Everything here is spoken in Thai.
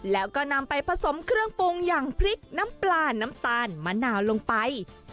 แล้วก็นำไปผสมเครื่องปรุงอย่างพริกน้ำปลาน้ำตาลมะนาวลงไป